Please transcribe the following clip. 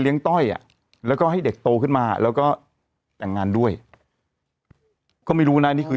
อย่างนั้นความรู้เลย